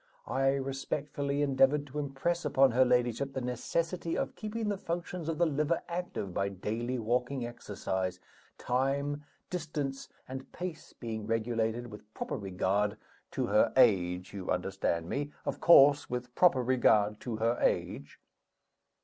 I respectfully endeavored to impress upon her ladyship the necessity of keeping the functions of the liver active by daily walking exercise; time, distance, and pace being regulated with proper regard to her age you understand me? of course, with proper regard to her age."